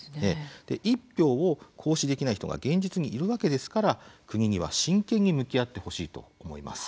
一票を行使できない人が現実にいるわけですから国には真剣に向き合ってほしいと思います。